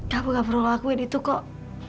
aku gak perlu lakuin itu kok